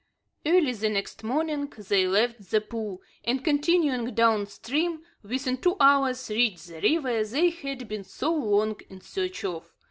Early the next morning they left the pool, and, continuing down stream, within two hours reached the river they had been so long in search of.